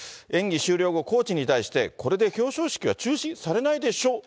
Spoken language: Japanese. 演技終了後、コーチに対してこれで表彰式は中止にされないでしょ？